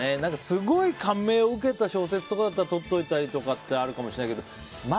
すごい感銘を受けた小説とかだととっておいたりとかってあるかもしれないけど。